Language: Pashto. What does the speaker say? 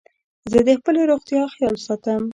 زه د خپلي روغتیا خیال ساتم.